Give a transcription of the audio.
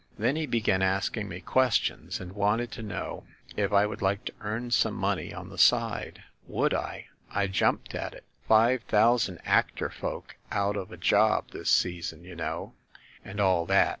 "Then he began asking me questions, and wanted to know if I would like to earn some money on the side. Would I? I jumped at it! ‚ÄĒ five thousand actor folk out of a job this season, you know, and all that.